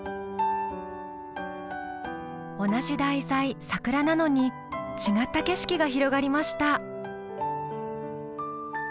同じ題材「桜」なのに違った景色が広がりました。